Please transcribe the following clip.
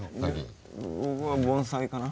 僕は盆栽かな。